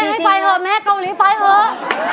แม่ให้ไปเหอะแม่เกาลี่ไปเผ้ย